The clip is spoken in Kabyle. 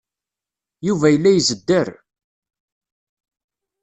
Yuba yella izedder.